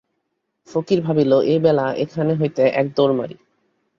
ফকির ভাবিল, এইবেলা এখান হইতে এক দৌড় মারি।